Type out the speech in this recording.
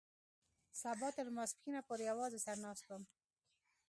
سبا تر ماسپښينه پورې يوازې سر ناست وم.